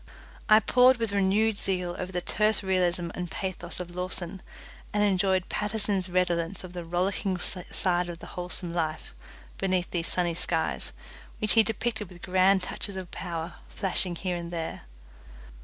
I pored with renewed zeal over the terse realism and pathos of Lawson, and enjoyed Paterson's redolence of the rollicking side of the wholesome life beneath these sunny skies, which he depicted with grand touches of power flashing here and there.